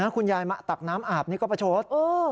คุณยายมาตักน้ำอาบนี่ก็ประชด